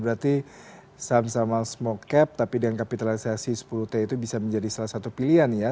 berarti saham saham small cap tapi dengan kapitalisasi sepuluh t itu bisa menjadi salah satu pilihan ya